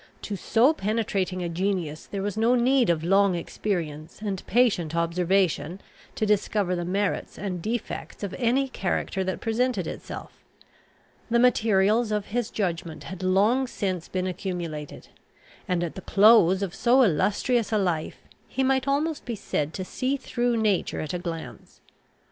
To so penetrating a genius there was no need of long experience and patient observation to discover the merits and defects of any character that presented itself. The materials of his judgment had long since been accumulated; and, at the close of so illustrious a life, he might almost be said to see through nature at a glance.